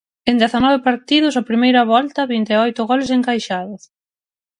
En dezanove partidos, a primeira volta, vinte e oito goles encaixados.